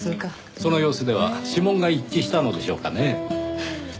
その様子では指紋が一致したのでしょうかねぇ。